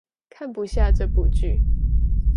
看不下這部劇